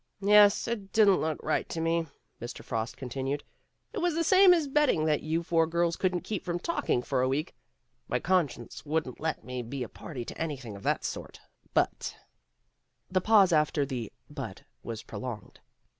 "Yes, it didn't look right to me," Mr. Frost continued. "It was the same as betting that .you four girls couldn't keep from talking for a week. My conscience wouldn't let me be a party to anything of that sort. But " The pause after the "but" was prolonged.